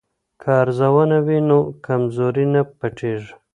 که ارزونه وي نو کمزوري نه پټیږي.